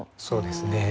そうですね。